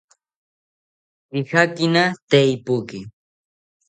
Kijakina tee ipoki